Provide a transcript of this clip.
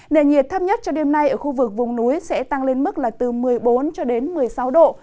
nền nhiệt thấp nhất cho đêm nay ở khu vực vùng núi sẽ tăng lên mức là từ một mươi bốn cho đến một mươi sáu độ